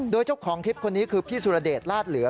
โดยเจ้าของคลิปคนนี้คือพี่สุรเดชลาดเหลือ